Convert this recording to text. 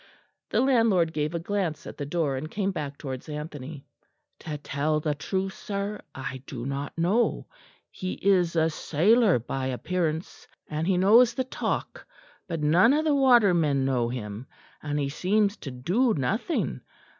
The landlord gave a glance at the door, and came back towards Anthony. "To tell the truth, sir, I do not know. He is a sailor by appearance, and he knows the talk; but none of the watermen know him; and he seems to do nothing.